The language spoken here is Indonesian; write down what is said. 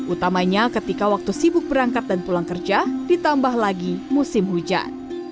utamanya ketika waktu sibuk berangkat dan pulang kerja ditambah lagi musim hujan